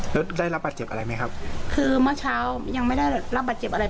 แล้วได้รับบาดเจ็บอะไรไหมครับคือเมื่อเช้ายังไม่ได้รับบาดเจ็บอะไร